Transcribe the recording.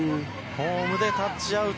ホームでタッチアウト。